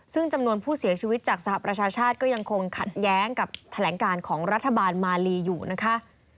ซึ่งจำนวนผู้เสียชีวิตจากสหประชาชาติก็ยังคงขัดแย้งกับแถลงการของรัฐบาลมาลีอยู่นะคะ